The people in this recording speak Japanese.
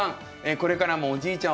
これからもおじいちゃん